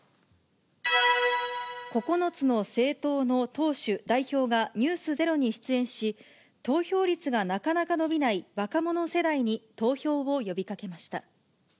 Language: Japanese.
９つの政党の党首、代表がｎｅｗｓｚｅｒｏに出演し、投票率がなかなか伸びない若者世代に投票を呼びかけました。